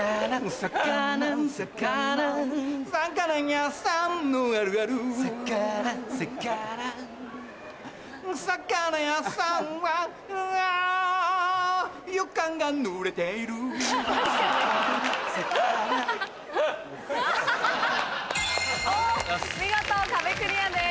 魚魚見事壁クリアです。